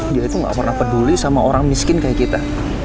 dia itu gak pernah peduli sama orang miskin kayak kita